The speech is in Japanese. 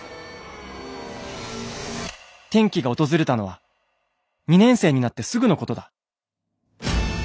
「転機が訪れたのは２年生になってすぐのことだ。